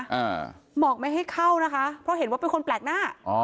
หมอกไม่ให้เข้านะคะเพราะเห็นว่าเป็นคนแปลกหน้าอ๋อ